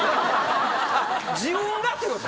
あっ自分がってこと？